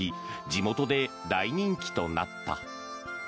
地元で大人気となった。